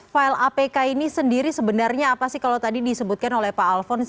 file apk ini sendiri sebenarnya apa sih kalau tadi disebutkan oleh pak alfons